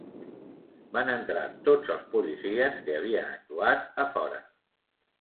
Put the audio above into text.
Van entrar tots els policies que havien actuat a fora.